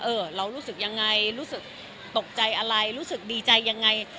เรารู้สึกยังไงรู้สึกตกใจอะไรรู้สึกดีใจยังไง